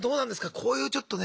こういうちょっとね。